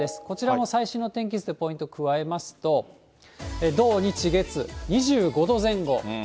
こちらも、最新の天気図でポイント加えますと、土日月、２５度前後。